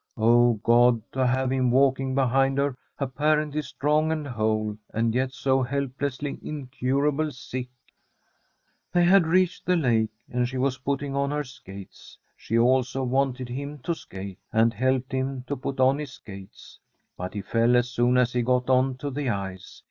Oh, God, to have him walking behind her ap parently strong and hale, and yet so helplessly, incurably sick ! They had reached the lake, and she was put ting on her skates. She also wanted him to skate, and helped him to put on his skates ; but he fell as soon as he got on to the ice.